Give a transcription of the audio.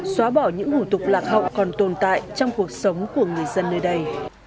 xóa bỏ những hủ tục lạc hậu còn tồn tại trong cuộc sống của người dân nơi đây